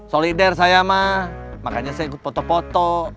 solidar saya mah makanya saya ikut foto foto